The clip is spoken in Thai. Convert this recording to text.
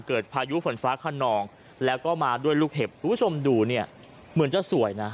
พายุฝนฟ้าขนองแล้วก็มาด้วยลูกเห็บคุณผู้ชมดูเนี่ยเหมือนจะสวยนะ